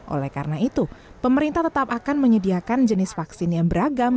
oleh karena itu pemerintah tetap akan menyediakan jenis vaksin yang beragam